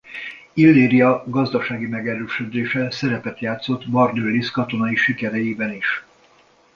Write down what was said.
Illíria gazdasági megerősödése szerepet játszott Bardülisz katonai sikereiben is.